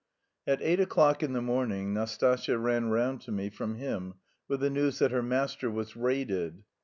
At eight o'clock in the morning Nastasya ran round to me from him with the news that her master was "raided."